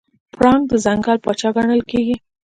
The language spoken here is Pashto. پړانګ د ځنګل پاچا ګڼل کېږي.